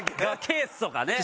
ケースとかね。